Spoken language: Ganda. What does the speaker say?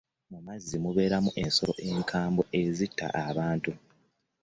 Mu mazzi mubeeramu ensolo enkambwe ezitta abantu.